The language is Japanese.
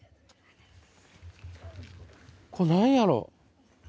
これ何やろう？